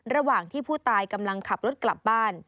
ระหว่างที่ผู้ตายกำลังขับรถกลับบ้าน